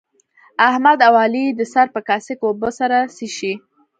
احمد او علي د سر په کاسه کې اوبه سره څښي.